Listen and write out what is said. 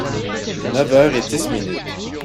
Neuf heures et dix minutes.